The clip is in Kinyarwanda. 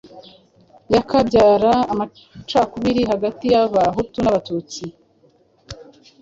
yakabyara amacakubiri hagati y’abahutu n’Abatutsi.